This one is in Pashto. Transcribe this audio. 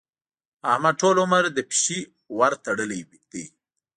احمد ټول عمر د پيشي ورتړلې دي.